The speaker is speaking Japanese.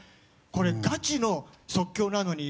これ、ガチの即興なのに